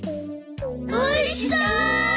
おいしそう！